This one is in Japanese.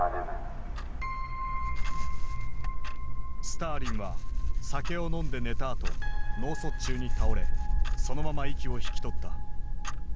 スターリンは酒を飲んで寝たあと脳卒中に倒れそのまま息を引き取った。